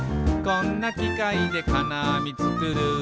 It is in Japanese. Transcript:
「こんなきかいでかなあみつくる」